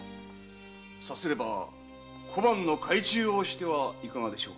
さすれば小判の改鋳をしてはいかがでしょう？